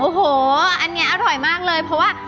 โอ้โหอันนี้อร่อยมากเลยเพราะว่า